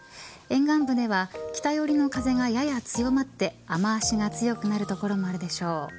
沿岸部では北寄りの風がやや強まって雨脚が強くなる所もあるでしょう。